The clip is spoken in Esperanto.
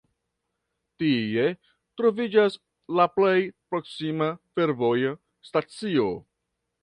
Tie troviĝas la plej proksima fervoja stacio.